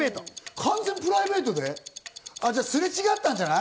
完全プライベートですれ違ったじゃない？